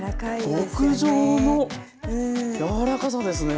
極上の柔らかさですね。